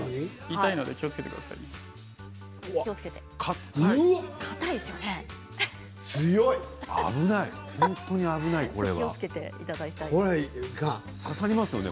痛いので気をつけてくださいね。